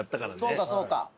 そうかそうか。